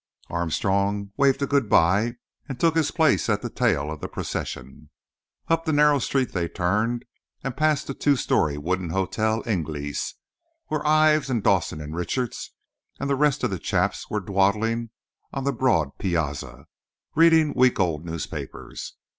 Armstrong, waved a good bye and took his place at the tail of the procession. Up the narrow street they turned, and passed the two story wooden Hotel Ingles, where Ives and Dawson and Richards and the rest of the chaps were dawdling on the broad piazza, reading week old newspapers.